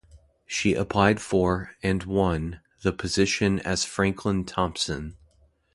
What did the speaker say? She applied for, and won, the position as Franklin Thompson.